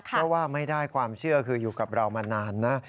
เพราะว่าไม่ได้ความเชื่อคืออยู่กับเรามานานนะ